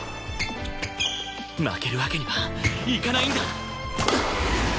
負けるわけにはいかないんだ